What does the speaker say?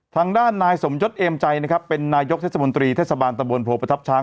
ทางด้านนายสมยศเอมใจนะครับเป็นนายกเทศมนตรีเทศบาลตะบนโพประทับช้าง